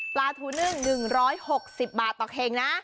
ปลาถูนึ่ง๑๖๐บาทต่อกิโลกรัมนะ